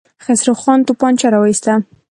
خسرو خان توپانچه را وايسته.